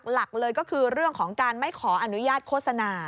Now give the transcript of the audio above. หลักเลยก็คือเรื่องของการไม่ขออนุญาตโฆษณา